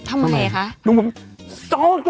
ทำอย่างไรคะ